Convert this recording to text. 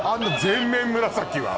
全面紫は。